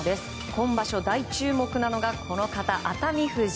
今場所大注目なのが、熱海富士。